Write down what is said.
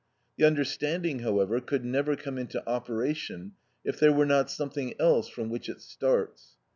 The understanding, however, could never come into operation if there were not something else from which it starts.